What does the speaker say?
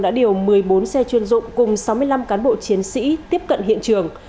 đã điều một mươi bốn xe chuyên dụng cùng sáu mươi năm cán bộ chiến sĩ tiếp cận hiện trường